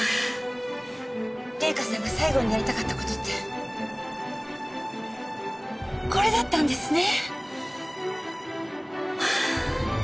玲香さんが最後にやりたかった事ってこれだったんですね。